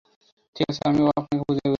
ঠিক আছে, আমি আপনাকে বুঝিয়ে বলছি।